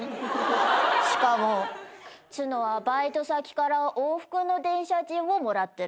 しかもつのはバイト先から往復の電車賃をもらってる。